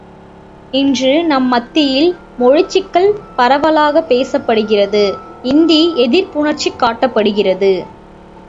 இன்று, நம் மத்தியில் மொழிச் சிக்கல் பரவலாகப் பேசப்படுகிறது இந்தி எதிர்ப்புணர்ச்சி காட்டப்படுகிறது.